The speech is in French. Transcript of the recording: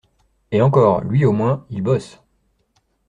Et encore, lui au moins, il bosse.